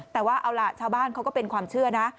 แต่ว่าเอาล่ะชาวบ้านเขาก็เป็นความเชื่อนะ